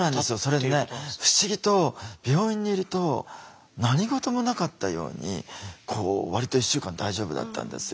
それでね不思議と病院にいると何事もなかったように割と１週間大丈夫だったんですよ。